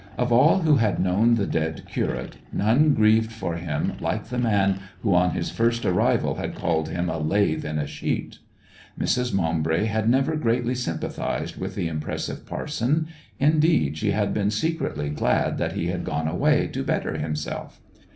Of all who had known the dead curate, none grieved for him like the man who on his first arrival had called him a 'lath in a sheet.' Mrs. Maumbry had never greatly sympathized with the impressive parson; indeed, she had been secretly glad that he had gone away to better himself.